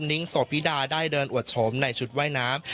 นิ้งโสพิดาได้เดินอวดโฉมในชุดว่ายน้ำ